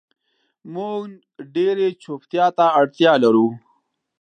مونږ ډیرې چوپتیا ته اړتیا لرو